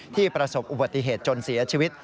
ประสบอุบัติเหตุจนเสียชีวิต